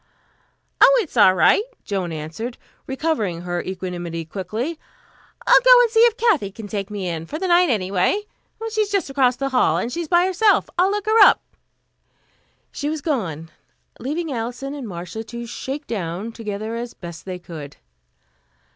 "Oh, it's all right," Joan answered, recovering her equanimity quickly. "I'll go and see if Kathy can take me in, for the night, anyway. She's just across the hall, and she's by herself. I'll look her up." She was gone, leaving Alison and Marcia to shake down together as best they could.